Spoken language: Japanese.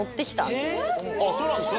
そうなんですか？